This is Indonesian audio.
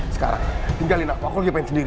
sekarang tinggalin aku aku lagi pengen sendiri